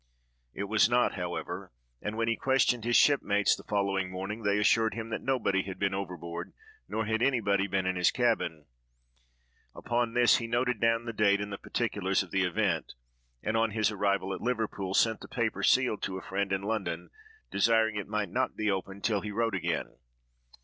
It was not, however; and when he questioned his shipmates, the following morning, they assured him that nobody had been overboard, nor had anybody been in his cabin. Upon this, he noted down the date and the particulars of the event, and, on his arrival at Liverpool, sent the paper sealed to a friend in London, desiring it might not be opened till he wrote again.